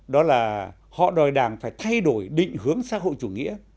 đó là họ đòi đảng phải thay đổi định hướng xã hội chủ nghĩa